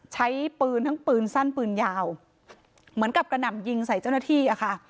ใช้ปืนทั้งปืนสั้นปืนยาวเหมือนกับกระหน่ำยิงใส่เจ้าหน้าที่อะค่ะ